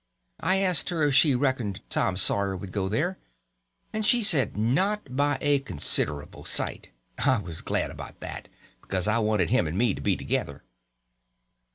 I asked her if she reckoned Tom Sawyer would go there, and she said not by a considerable sight. I was glad about that, because I wanted him and me to be together.